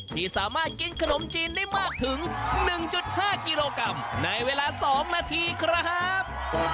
ที่สามารถกินขนมจีนได้มากถึง๑๕กิโลกรัมในเวลา๒นาทีครับ